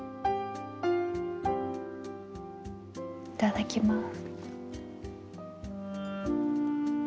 いただきます。